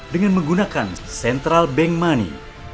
dengan menggunakan central bank money